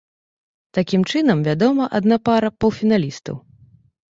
Такім чынам вядома адна пара паўфіналістаў.